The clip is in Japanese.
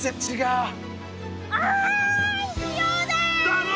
だろ？